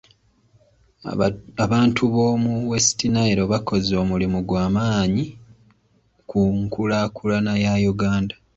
Abantu b'omu West Nile bakoze omulimu gwa maanyi ku nkulaakulana ya Uganda.